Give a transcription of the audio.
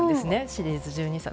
シリーズ１２冊。